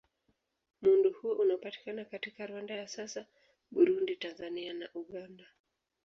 Muundo huo unapatikana katika Rwanda ya sasa, Burundi, Tanzania na Uganda.